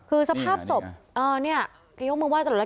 คือสภาพศพเนี่ยที่ยกมือไห้ตลอดแล้ว